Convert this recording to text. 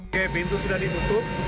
oke pintu sudah ditutup